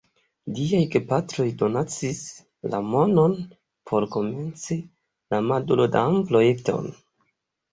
Liaj gepatroj donacis la monon por komenci la Madurodam-projekton.